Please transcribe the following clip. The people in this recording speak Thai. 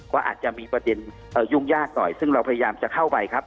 ว่าอาจจะมีประเด็นยุ่งยากหน่อยซึ่งเราพยายามจะเข้าไปครับ